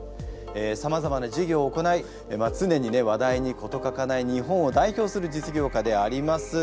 さまざまな事業を行いつねにね話題に事欠かない日本を代表する実業家であります。